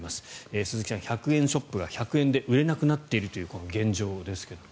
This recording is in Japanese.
鈴木さん、１００円ショップが１００円で売れなくなっている現状ですが。